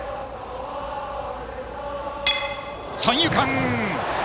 三遊間！